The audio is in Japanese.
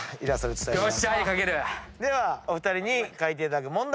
ではお二人に描いていただく問題